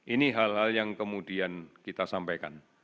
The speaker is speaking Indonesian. ini hal hal yang kemudian kita sampaikan